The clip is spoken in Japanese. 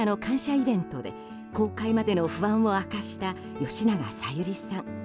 イベントで公開までの不安を明かした吉永小百合さん。